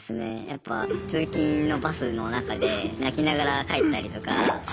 やっぱ通勤のバスの中で泣きながら帰ったりとか。